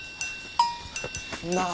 なあ